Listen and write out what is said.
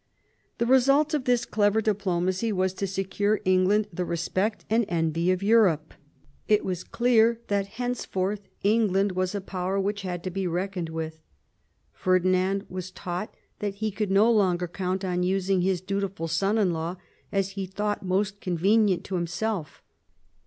The result of this clever diplomacy was to secure England the respect and envy of Europe. It was clear that henceforth England was a power which had to be reckoned with. Ferdinand was. taught that he could no longer count on using his dutiful son in law as he thought most convenient to himself.